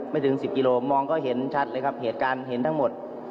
ถึง๑๐กิโลมองก็เห็นชัดเลยครับเหตุการณ์เห็นทั้งหมด